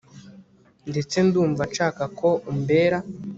ndetse ndumva nshaka ko umbera